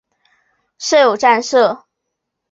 设有站舍。